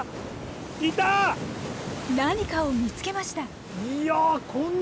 何かを見つけました。